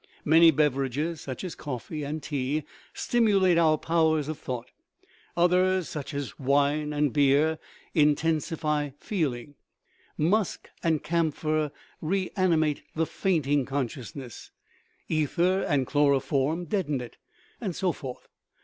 Many bev erages (such as coffee and tea) stimulate our powers of thought ; others (such as wine and beer) intensify feel ing; musk and camphor reanimate the fainting con sciousness; ether and chloroform deaden it, and so forth.